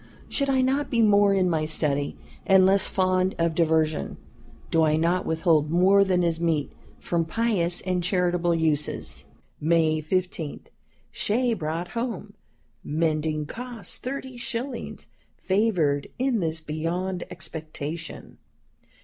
Should I not be more in my study, and less fond of diversion? Do I not withhold more than is meet from pious and charitable uses? "May 15. Shay brought home; mending cost 30 shillings. Favored in this beyond expectation.